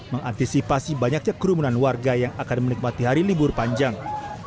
mengantisipasi banyaknya kerumunan warga yang akan menikmati hari libur panjang